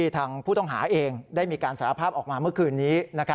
ทางผู้ต้องหาเองได้มีการสารภาพออกมาเมื่อคืนนี้